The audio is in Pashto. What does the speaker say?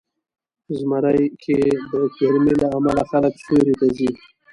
زمری کې د ګرمۍ له امله خلک سیوري ته ځي.